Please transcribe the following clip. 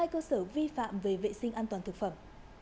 hai cơ sở vi phạm về vệ sinh an toàn thực phẩm